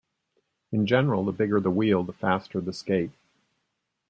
In general, the bigger the wheel, the faster the skate.